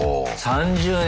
３０年！